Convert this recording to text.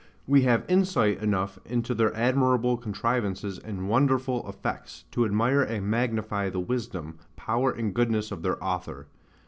We have insight enough into their admirable contrivances and wonderful effects, to admire and magnify the wisdom, power and goodness of their Author.